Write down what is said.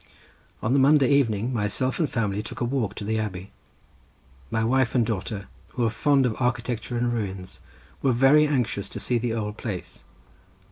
On the Monday evening myself and family took a walk to the abbey. My wife and daughter, who are fond of architecture and ruins, were very anxious to see the old place.